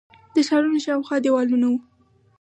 د ښارونو شاوخوا دیوالونه وو